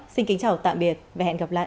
xin kính chào tạm biệt và hẹn gặp lại